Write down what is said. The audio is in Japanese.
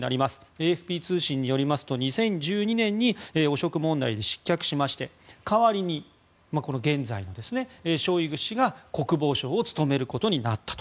ＡＦＰ通信によりますと２０１２年に汚職問題で失脚しまして代わりに現在のショイグ氏が国防相を務めることになったと。